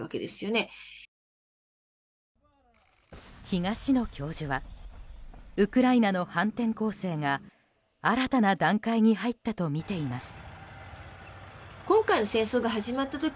東野教授はウクライナの反転攻勢が新たな段階に入ったとみています。